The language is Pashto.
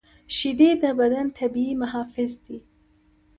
شیدې د بدن طبیعي محافظ دي